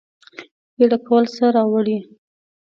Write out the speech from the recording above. بیړه کول څه راوړي؟